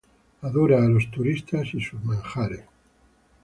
Adora a los turistas y sus manjares.